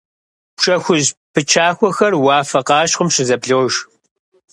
Пшэ хужь пычахуэхэр уафэ къащхъуэм щызэблож.